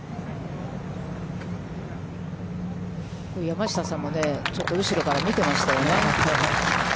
山下さんも、ちょっと後ろから見ていましたよね。